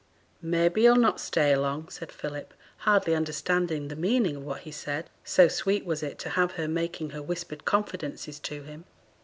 'Maybe, he'll not stay long,' said Philip, hardly understanding the meaning of what he said, so sweet was it to have her making her whispered confidences to him.